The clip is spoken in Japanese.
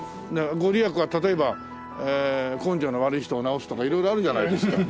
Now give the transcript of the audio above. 御利益が例えば根性の悪い人を直すとか色々あるじゃないですか。